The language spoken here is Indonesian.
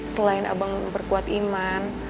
selain abang memperkuat iman